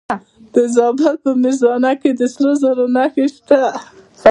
د زابل په میزانه کې د سرو زرو نښې شته.